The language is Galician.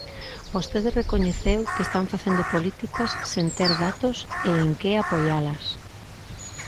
Vostede recoñeceu que están facendo políticas sen ter datos en que apoialas.